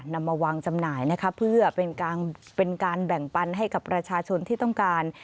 นำมาวางจำหน่ายนะคะเพื่อเป็นการเป็นการแบ่งปันให้กับประชาชนที่ต้องการ